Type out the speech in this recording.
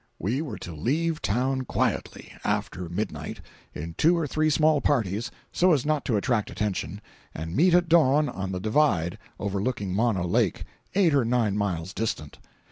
We were to leave town quietly, after midnight, in two or three small parties, so as not to attract attention, and meet at dawn on the "divide" overlooking Mono Lake, eight or nine miles distant.